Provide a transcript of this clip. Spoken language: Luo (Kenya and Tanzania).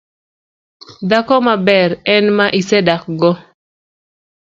Dhako maber en ma isedakgo